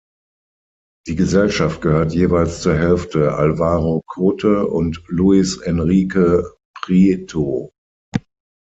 Die Gesellschaft gehört jeweils zur Hälfte Alvaro Cote und Luis Enrique Prieto.